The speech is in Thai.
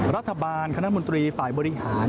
รัฐบาลคณะมนตรีฝ่ายบริหาร